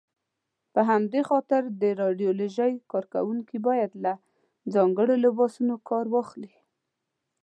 په همدې خاطر د راډیالوژۍ کاروونکي باید له ځانګړو لباسونو کار واخلي.